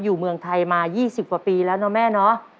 อยู่เมืองไทยมา๒๐กว่าปีแล้วเนอะแม่เนาะ